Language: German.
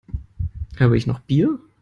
Habe ich noch Bier?